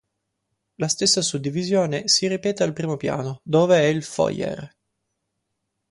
La stessa suddivisione si ripete al primo piano, dove è il "foyer".